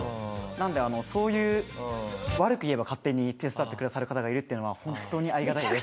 なのでそういう悪く言えば勝手に手伝ってくださる方がいるっていうのは本当にありがたいです。